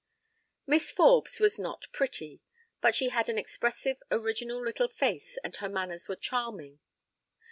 Miss Forbes was not pretty, but she had an expressive original little face and her manners were charming.